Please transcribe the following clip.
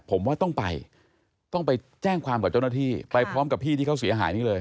ผมว่าต้องไปต้องไปแจ้งความกับเจ้าหน้าที่ไปพร้อมกับพี่ที่เขาเสียหายนี่เลย